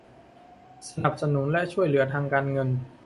สนับสนุนและช่วยเหลือทางการเงิน